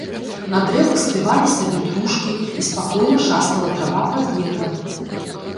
На дрэвах спявалі сабе птушкі, і спакойна шастала трава пад ветрам.